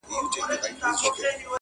• دلته له ورځي سره لمر لکه شېبه ځلیږي -